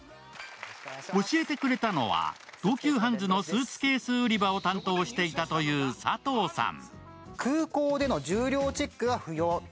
教えてくれたのは、東急ハンズのスーツケース売り場を担当していたという佐藤さん。